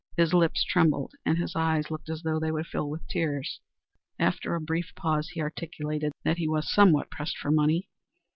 His lip trembled and his eyes looked as though they would fill with tears. After a brief pause he articulated that he was somewhat pressed for ready money.